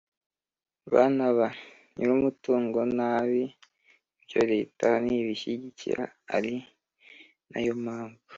bana ba nyirumutungo nabi. ibyo leta ntibishyigikira ari na yo mpamvu